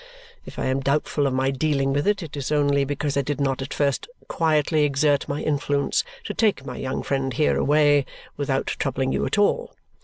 If I am doubtful of my dealing with it, it is only because I did not at first quietly exert my influence to take my young friend here away without troubling you at all.